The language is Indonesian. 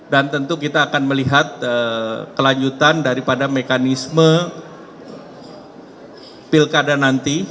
dan tentu kita akan melihat kelanjutan daripada mekanisme pilkada nanti